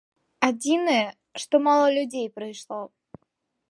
Адзінае, што мала людзей прыйшло.